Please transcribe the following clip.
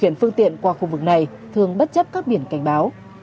công vực này thường bất chấp các biển cảnh báo